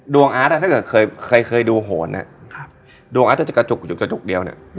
ดวงอัดถ้าเกิดเคยดูโหนดวงอัดจะกระจุกเดียว